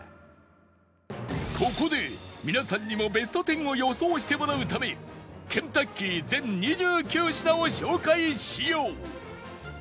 ここで皆さんにもベスト１０を予想してもらうためケンタッキー全２９品を紹介しよう！